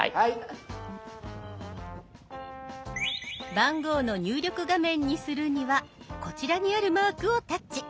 番号の入力画面にするにはこちらにあるマークをタッチ。